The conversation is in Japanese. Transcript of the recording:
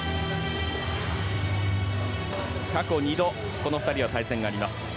過去２度、この２人は対戦があります。